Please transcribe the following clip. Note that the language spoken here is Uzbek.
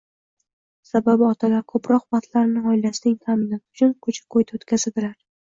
Sababi, otalar ko‘proq vaqtlarini oilasining ta'minoti uchun ko‘cha-kuyda o‘tkazadilar